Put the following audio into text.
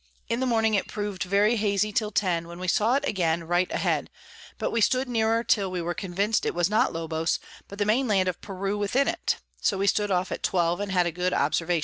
In the Morning it prov'd very hazy till ten, when we saw it again right a head; we stood nearer till we were convinc'd it was not Lobos, but the main Land of Peru within it: so we stood off at twelve, and had a good Observ.